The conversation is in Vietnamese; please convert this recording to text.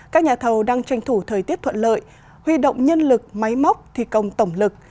các nhà thầu đang tranh thủ thời tiết thuận lợi huy động nhân lực máy móc thi công tổng lực